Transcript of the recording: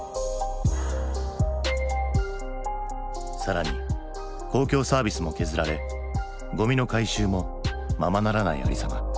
更に公共サービスも削られゴミの回収もままならないありさま。